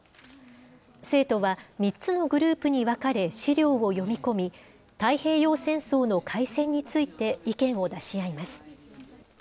生徒は３つのグループに分かれ、資料を読み込み、太平洋戦争の開戦について意見を出し合います。